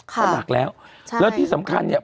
ก็หนักแล้วแล้วที่สำคัญเนี่ย